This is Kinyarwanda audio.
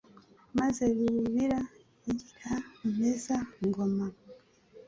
Maze Rubira igira Rumeza-ngoma